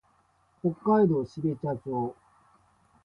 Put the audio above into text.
北海道標茶町